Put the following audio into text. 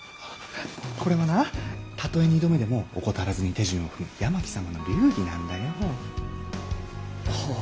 これはなたとえ二度目でも怠らずに手順を踏む八巻様の流儀なんだよ。はあ。